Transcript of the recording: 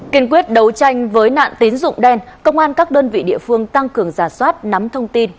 kiên quyết đấu tranh với nạn tín dụng đen công an các đơn vị địa phương tăng cường giả soát nắm thông tin